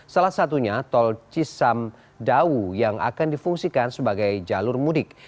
salah satunya tol cisam dau yang akan difungsikan sebagai jalur mudik